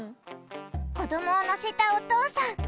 子どもを乗せたお父さん。